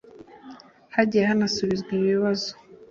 Hagiye hanasubizwa ibibazo.